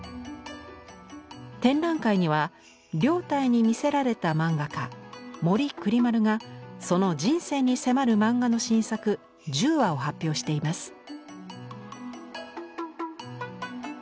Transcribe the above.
展覧会には凌岱に魅せられた漫画家森栗丸がその人生に迫る漫画の新作１０話を発表しています。